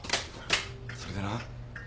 それでな。